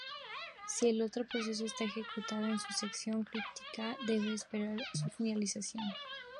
Si el otro proceso está ejecutando en su sección crítica, deberá esperar su finalización.